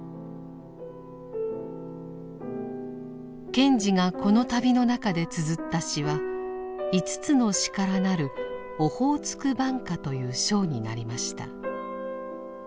賢治がこの旅の中でつづった詩は５つの詩からなる「オホーツク挽歌」という章になりました。